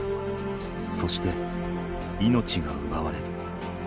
そして命が奪われる。